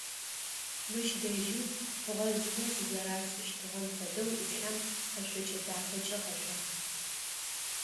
Мыщ дэжьым бгъэжъымэ зызэрашӏыщтыгъэм фэдэу Ислъам къэшъокӏэ дахэкӏэ къэшъуагъ.